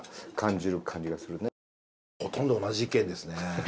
ほとんど同じ意見ですね。